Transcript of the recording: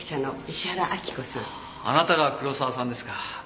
あなたが黒沢さんですか。